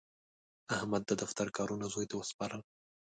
احمد د دفتر کارونه زوی ته وسپارل.